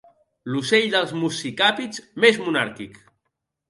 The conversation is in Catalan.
L'ocell dels muscicàpids més monàrquic.